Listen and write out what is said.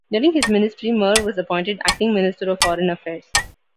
During his ministry, Murr was appointed acting minister of foreign affairs.